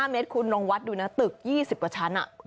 ๕เมตรคุณลองวัดดูนะตึก๒๐กว่าชั้น